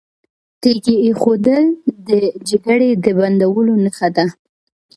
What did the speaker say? تیږه ایښودل د جګړې د بندولو نښه ده.